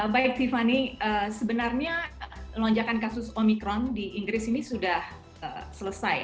baik tiffany sebenarnya lonjakan kasus omikron di inggris ini sudah selesai